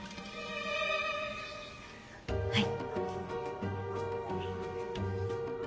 はい。